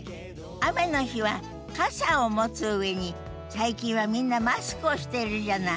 雨の日は傘を持つ上に最近はみんなマスクをしてるじゃない？